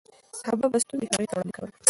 صحابه به ستونزې هغې ته وړاندې کولې.